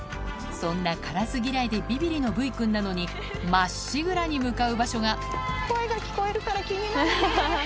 そんなカラス嫌いでビビりのブイくんなのにまっしぐらに向かう場所が声が聞こえるから気になるね。